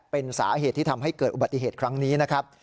เป็นสาเหตุที่ทำให้เกิดอุบัติเหตุครั้งนี้นะครับ